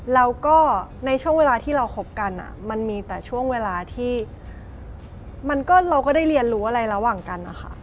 แล้วก็ในช่วงเวลาที่เราคบกันมันมีแต่ช่วงเวลาที่เราก็ได้เรียนรู้อะไรระหว่างกันนะคะ